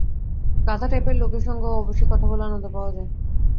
গাধা টাইপের লোকের সঙ্গেও অবশ্যি কথা বলে আনন্দ পাওয়া যায়।